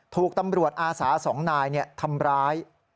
ถูกตำรวจอาสา๒นายทำร้าย